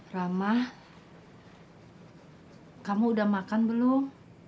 ramah kamu udah makan belum